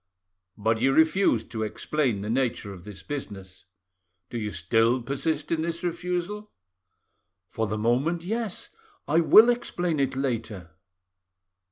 "But you refused to explain the nature of this business. Do you still persist in this refusal?" "For the moment, yes. I will explain it later."